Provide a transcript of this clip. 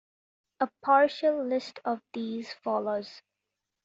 A partial list of these follows.